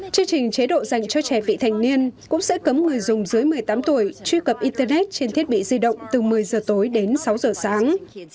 chương trình chế độ dành cho trẻ vị thành niên cũng sẽ cấm người dùng dưới một mươi tám tuổi truy cập internet trên thiết bị di động từ một mươi giờ tối đến sáu giờ sáng